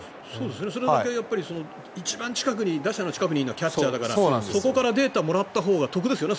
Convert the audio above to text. それだけバッターの一番近くにいるのはキャッチャーだからそこからデータをもらったほうが得ですよね。